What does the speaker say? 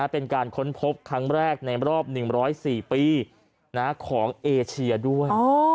เป็นการค้นพบครั้งแรกในรอบ๑๐๔ปีของเอเชียด้วย